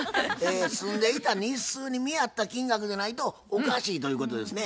住んでいた日数に見合った金額でないとおかしいということですね。